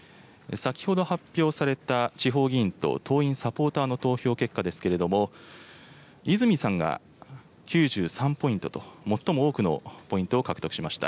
先ほど発表された地方議員と党員・サポーターの投票結果ですけれども、泉さんが９３ポイントと最も多くのポイントを獲得しました。